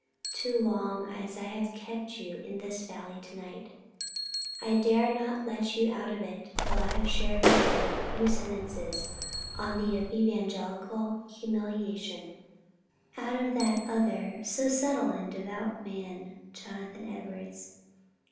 Too long as I have kept you in this valley to night, I dare not let you out of it till I have shared with you a few sentences on evangelical humiliation out of that other so subtle and devout man, Jonathan Edwards.